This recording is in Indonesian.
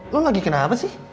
lo lagi kenapa sih